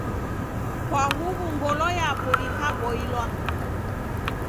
Kwa huw'u ngolo yapo ikaboilwa.